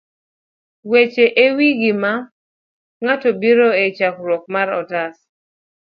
Weche e Wi Ngima Ng'ato gibiro e chakruok mar otas